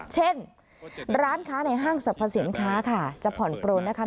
เช่นร้านค้าในห้างสรรพสินค้าค่ะจะผ่อนปลนนะคะ